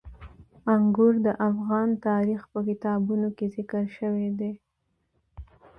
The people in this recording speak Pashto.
انګور د افغان تاریخ په کتابونو کې ذکر شوی دي.